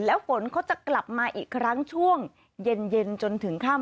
แล้วฝนเขาจะกลับมาอีกครั้งช่วงเย็นจนถึงค่ำ